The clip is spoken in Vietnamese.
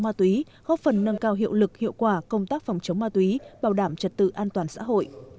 ma túy góp phần nâng cao hiệu lực hiệu quả công tác phòng chống ma túy bảo đảm trật tự an toàn xã hội